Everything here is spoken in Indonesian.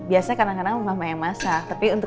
biasanya kadang kadang rumah yang masak tapi untuk